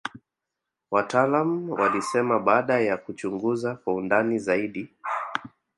wataalamu walisema baada ya kuchunguza kwa undani zaidi